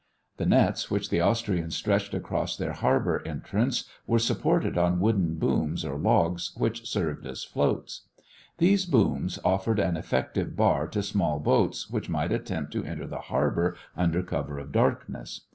The nets which the Austrians stretched across their harbor entrance were supported on wooden booms or logs which served as floats. These booms offered an effective bar to small boats which might attempt to enter the harbor under cover of darkness.